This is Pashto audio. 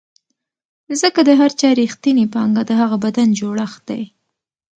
ځکه د هر چا رښتینې پانګه د هغه بدن جوړښت دی.